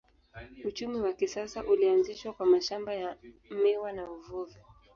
Uchumi wa kisasa ulianzishwa kwa mashamba ya miwa na uvuvi.